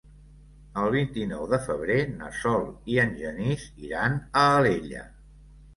El vint-i-nou de febrer na Sol i en Genís iran a Alella.